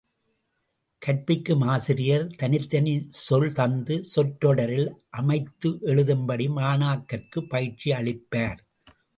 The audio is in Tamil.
கற்பிக்கும் ஆசிரியர், தனித் தனிச் சொல் தந்து சொற்றொடரில் அமைத்து எழுதும்படி மாணாக்கர்க்குப் பயிற்சி அளிப்பார்.